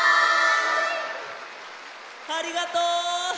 ありがとう！